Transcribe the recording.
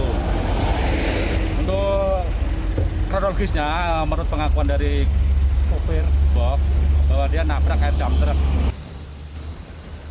untuk kronologisnya menurut pengakuan dari kopir reboh bahwa dia nabrak kayak jump track